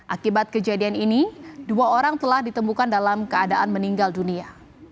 akibat kejadian ini dua orang telah ditemukan dalam keadaan meninggal dunia